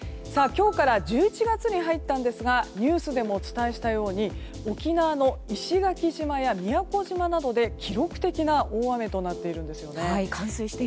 今日から１１月に入ったんですがニュースでもお伝えしたように沖縄の石垣島や宮古島などで記録的な大雨となっているんですね。